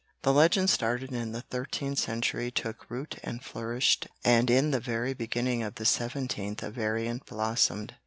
The legend started in the thirteenth century, took root and flourished, and in the very beginning of the seventeenth a variant blossomed.